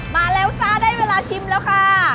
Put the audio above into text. มาแล้วจ้าได้เวลาชิมแล้วค่ะ